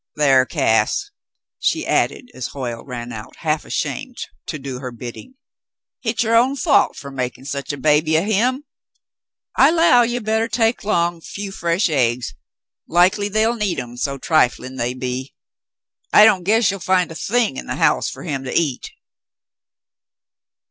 Thar, Cass," she added, as Hoyle ran out, half ashamed, to do her bidding — "hit's your own fault fer makin' such a baby of him. I 'low you betteh take 'long a few fresh aigs ; likely they'll need 'em, so triflin' they be. I don't guess you'll find a thing in the house fer him to eat."